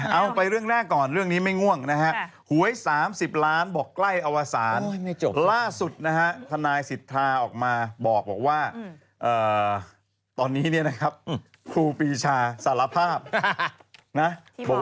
เอาไปเรื่องแรกก่อนเรื่องนี้ไม่ง่วงนะฮะหวย๓๐ล้านบอกใกล้อวสารล่าสุดนะฮะทนายสิทธาออกมาบอกว่าตอนนี้เนี่ยนะครับครูปีชาสารภาพนะ